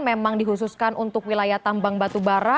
memang dikhususkan untuk wilayah tambang batubara